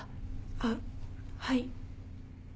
あっはい。